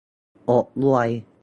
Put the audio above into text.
อดรวย